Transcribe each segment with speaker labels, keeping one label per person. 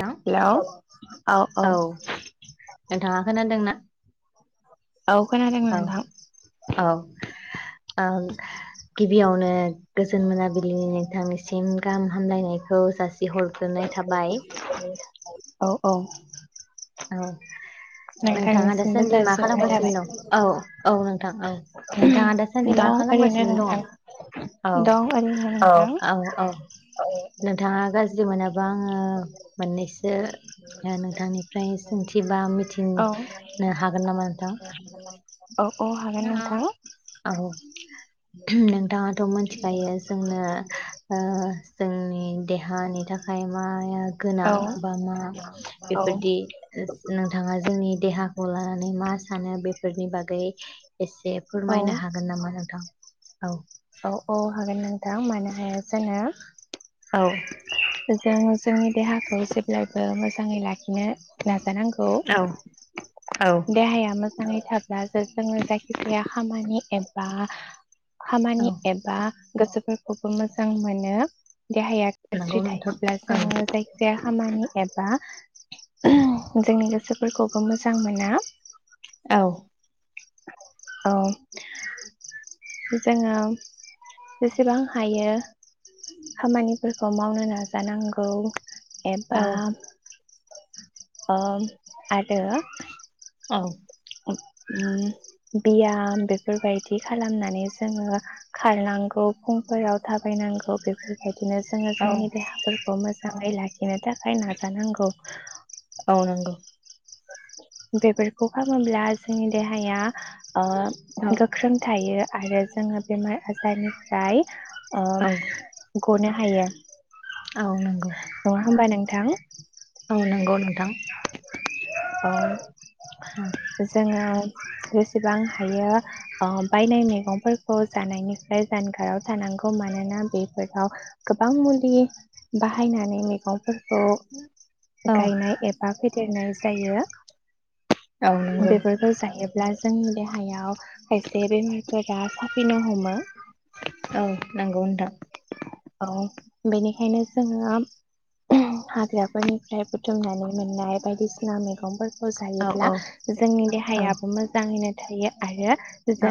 Speaker 1: थां
Speaker 2: औ औ।
Speaker 1: नोंथाङा खोनादोंना?
Speaker 2: औ खोनादों
Speaker 1: औ
Speaker 2: नोंथां।
Speaker 1: औ ओ गिबियावनो गोजोन मोनाबिलिनि नोंथांनिसिम गाहाम हामलायनाय खौ जासि हरग्रोनाय थाबाय।
Speaker 2: औ औ।
Speaker 1: औ। नोंथाङा
Speaker 2: नोंथांनिसिमबो
Speaker 1: दासान्दि मा
Speaker 2: जासिहरनाय
Speaker 1: खालामगासिनो
Speaker 2: थाबाय
Speaker 1: दं? औ औ नोंथां औ नोंथाङा दासान्दि मा
Speaker 2: दं ओरैनो
Speaker 1: खालामगासिनो दङ?
Speaker 2: नोंथां
Speaker 1: औ
Speaker 2: दं ओरैनो नोंथां
Speaker 1: औ औ नोंथाङा गाज ज्रि मोनोबा आङो मोननैसो
Speaker 2: [unintelligible]
Speaker 1: ओ नोंथांनिफ्राय सोंथि बा
Speaker 2: औ
Speaker 1: मिथिनो हागोन नामा
Speaker 2: औ औ हागोन नोंथां।
Speaker 1: नोंथाङा थ' मोन्थिखायो जोंनो ओ जोंनि देहानि थाखाय माया गोनां
Speaker 2: औ
Speaker 1: बा मा बेफोरदि नोंथाङा जोंनि देहा खौ लानानै मा सानो बेफोरनि बागै एसे
Speaker 2: औ
Speaker 1: फोरमायनो हागोन नामा नोंथां? औ।
Speaker 2: औ औ हागोन नों थां मानो हाया जानो।
Speaker 1: औ।
Speaker 2: जों जोंनि देहाखौ जेब्लायबो मोजाङै लाखि- नो नाजानांगौ।
Speaker 1: औ औ
Speaker 2: देहाया मोजाङै था- ब्लासो जोङो जायखिजाया खामानि एबा खामानि एबा गोसोफोरखौबो मोजां मोनो। देहाया
Speaker 1: नंगौ
Speaker 2: गाज्रि
Speaker 1: नोंथां
Speaker 2: थायोब्ला
Speaker 1: औ
Speaker 2: जोङो जायखिजाया खामानि एबा- उहम जोंनि गोसोफोरखौबो मोजां मो- ना।
Speaker 1: औ।
Speaker 2: औ। जोङो जेसेबां हायो खामानिफोरखौ मावनो नाजानांगौ।
Speaker 1: औ
Speaker 2: एबा। अ आरो।
Speaker 1: औ।
Speaker 2: उम बियाम बेफोरबायदि खालामनानै जोङो खारनांगौ फुंफोराव थाबायनांगौ बेफोरबा यदिनो जोङो
Speaker 1: औ
Speaker 2: जोंनि देहाफोरखौ मोजाङै लाखि- नो थाखाय नाजानांगौ।
Speaker 1: औ नंगौ।
Speaker 2: बेफोरखौ खालामोब्ला जोंनि देहाया। ओ
Speaker 1: औ
Speaker 2: गोख्रों थायो। आरो जोङो बेमार आजारनिफ्राय- ओ गनो- हाया [unintelligible]
Speaker 1: औ नंगौ।
Speaker 2: थां।
Speaker 1: औ नंगौ नोंथां।
Speaker 2: औ जोङो जेसेबां हायो ओ बायनाय मैगंफोरखौ जानायनिफ्राय जानगाराव थानांगौ, मानोना बेफोराव गोबां मुलि बाहायनानै मैगंफोर खौ
Speaker 1: औ
Speaker 2: गायनाय एबा फेदेरनाय ज जायो
Speaker 1: औ नंगौ
Speaker 2: बेफोरखौ जायोब्ला जोंनि देहायाव खायसे बेमारफोरा साफिनो हमो।
Speaker 1: औ नोंगौ नोंथां।
Speaker 2: औ बेनिखायनो जोङो आम हाग्राफोरनिफ्राय बुथुमनानै मोननाय बायदिसिना मैग गंफोरखौ
Speaker 1: औ
Speaker 2: जायोब्ला
Speaker 1: औ
Speaker 2: जोंनि
Speaker 1: औ
Speaker 2: देहायाबो मोजाङैनो थायो आरो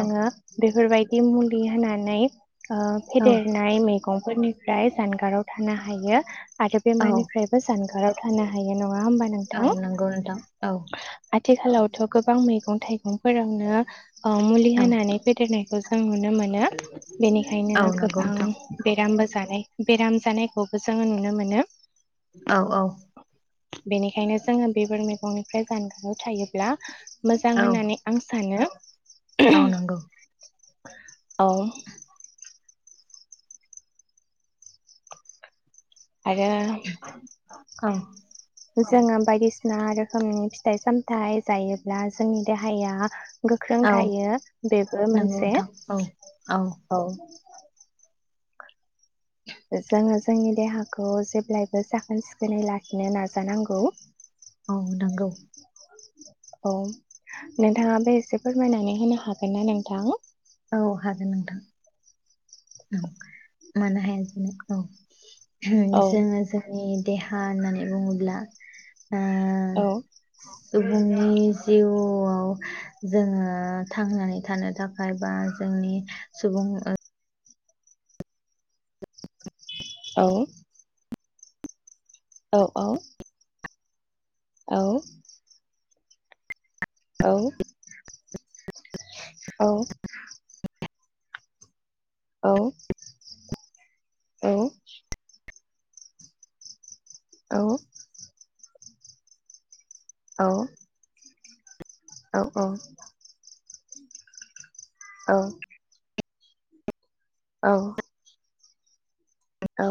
Speaker 1: औ
Speaker 2: बेफोरबायद बि मुलि होनानै ओ
Speaker 1: औ
Speaker 2: फेदेरनाय मैग फोरनिफ्राय जानगाराव थानो हायो। आरो
Speaker 1: औ
Speaker 2: बेमारनिफ्रायबो जानगाराव थानो हायो नङा होमबा
Speaker 1: औ
Speaker 2: नोंथां?
Speaker 1: नंगौ नोंथां औ
Speaker 2: आथ आथिखालावथ' गोबां मैगं थाइगंफोरावनो ओ मुलि
Speaker 1: औ
Speaker 2: होनानै फेदेरनायखौ जों नुनो मोनो
Speaker 1: औ
Speaker 2: बेनिखायनो
Speaker 1: नंगौ
Speaker 2: गोबां
Speaker 1: नोंथां
Speaker 2: आमबो जानाय बेराम जानायखौबो जोङो नुनो मोनो।
Speaker 1: औ औ
Speaker 2: बेनिखायनो जोङो बेबार मैगंनिफ्राय जानगाराव थायो ब ब्ला मोजां
Speaker 1: औ
Speaker 2: होननानै आं सानो।
Speaker 1: औ नंगौ।
Speaker 2: औ आरो
Speaker 1: औ
Speaker 2: जोङो बायदिसिना आरो रोखोमनि फिथाइ सामथाय जायोब्ला जोंनि देहाया गोख्रों
Speaker 1: औ
Speaker 2: थायो बेबो
Speaker 1: नंगौ
Speaker 2: मोनसे
Speaker 1: नोंथां औ
Speaker 2: औ ओ जोङो जोंनि देहाखौ जेब्लायबो साखोन सिखोनै लाखिनो नाजानांगौ।
Speaker 1: औ नंगौ।
Speaker 2: औ नोंथाङा बे एसे फोरमायनानै होनो हागोन ना नोंथां?
Speaker 1: औ हागोन नोंथां ओं मानो हाया जानो औ जोङो जोंनि देहा होननानै बुङोब ब्ला ओ
Speaker 2: औ
Speaker 1: स सुबुंनि जिउआव जोङो थांनानै थानो थाख बायबा जोंनि सुबुं ओ
Speaker 2: औ औ औ औ औ औ औ औ औ औ औ औ औ औ औ